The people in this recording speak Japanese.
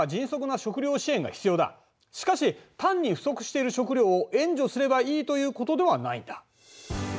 しかし単に不足している食料を援助すればいいということではないんだ。